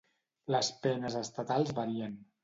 Les penes estatals varien.